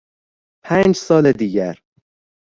پنج سال دیگر